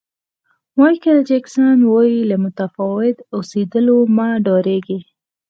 مایکل جکسن وایي له متفاوت اوسېدلو مه ډارېږئ.